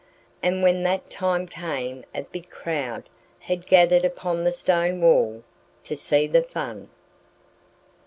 And when that time came a big crowd had gathered upon the stone wall to see the fun.